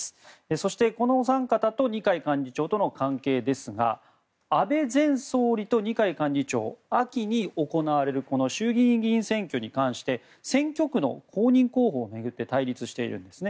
そしてこのお三方と二階幹事長との関係ですが安倍前総理と二階幹事長秋に行われるこの衆議院議員選挙に関して選挙区の公認候補を巡って対立しているんですね。